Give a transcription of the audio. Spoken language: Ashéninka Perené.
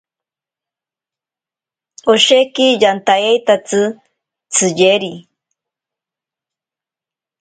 Osheki yantaeaitzi tsiyeri.